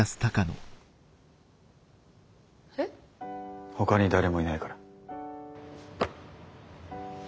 えっ？ほかに誰もいないから。